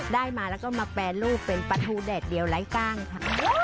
ได้มาแล้วก็มาแปรรูปเป็นปลาทูแดดเดียวไร้กล้างค่ะ